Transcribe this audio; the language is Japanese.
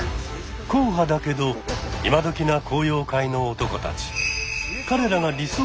硬派だけど今どきな昂揚会の男たち。